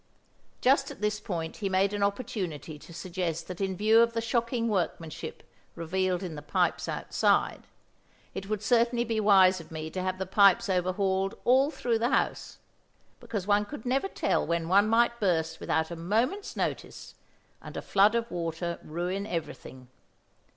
Just at this point he made an opportunity to suggest that in view of the shocking workmanship revealed in the pipes outside, it would certainly be wise of me to have the pipes overhauled all through the house, because one could never tell when one might burst without a moment's notice, and a flood of water ruin everything.